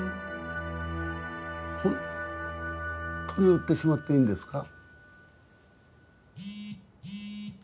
ホントに売ってしまっていいんですか？